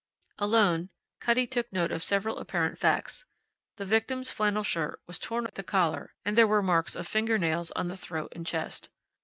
Alone, Cutty took note of several apparent facts. The victim's flannel shirt was torn at the collar and there were marks of finger nails on the throat and chest.